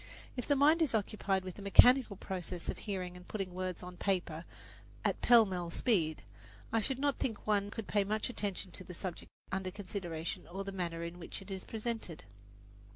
If the mind is occupied with the mechanical process of hearing and putting words on paper at pell mell speed, I should not think one could pay much attention to the subject under consideration or the manner in which it is presented.